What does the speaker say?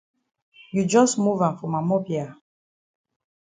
You jus move am for ma mop ya.